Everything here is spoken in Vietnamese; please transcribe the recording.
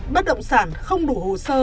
bất động sản không đủ hồ sơ pháp lý tài sản